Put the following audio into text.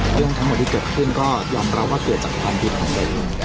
เรื่องทั้งหมดที่เกิดขึ้นก็ยอมรับว่าเกิดจากความผิดของตัวเอง